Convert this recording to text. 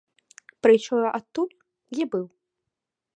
Прыйшоў адтуль, дзе быў.